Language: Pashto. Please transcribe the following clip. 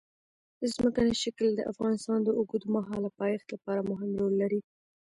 ځمکنی شکل د افغانستان د اوږدمهاله پایښت لپاره مهم رول لري.